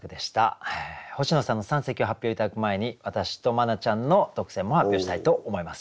星野さんの三席を発表頂く前に私と茉奈ちゃんの特選も発表したいと思います。